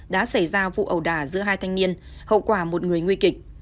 đã xảy ra vụ ẩu đả giữa hai thanh niên hậu quả một người nguy kịch